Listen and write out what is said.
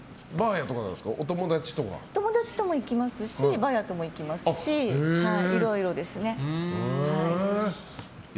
友達とも行きますしばあやとも行きますしいろいろですね。